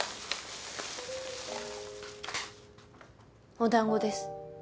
お団子です。